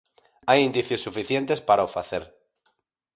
Hai indicios suficientes para o facer.